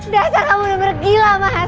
dasar kamu udah meragilah mas